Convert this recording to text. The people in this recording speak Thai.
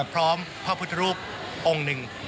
พร้อมพ่อพุทธรูปองค์หนึ่ง